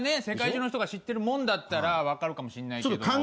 世界中の人が知ってるもんなら分かるかもしんないけども。